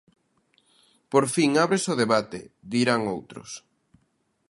Por fin ábrese o debate!, dirán outros.